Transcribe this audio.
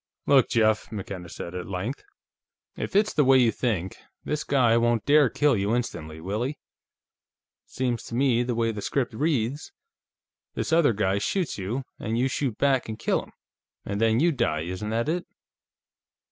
"Look, Jeff," McKenna said, at length. "If it's the way you think, this guy won't dare kill you instantly, will he? Seems to me, the way the script reads, this other guy shoots you, and you shoot back and kill him, and then you die. Isn't that it?"